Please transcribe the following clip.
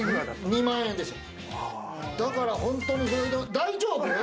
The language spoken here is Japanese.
だから本当、大丈夫？